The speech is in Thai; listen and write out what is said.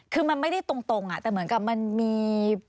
คือมันไม่ได้ตรงแต่เหมือนกับมันมี